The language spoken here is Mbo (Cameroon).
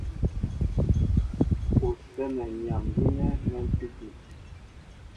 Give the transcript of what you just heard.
Ú sɛ́nɛ nyam gínɛ́ mɛ̌mpíki.